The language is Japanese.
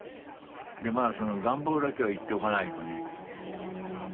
でまあその願望だけは言っておかないとね。